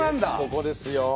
ここですよ。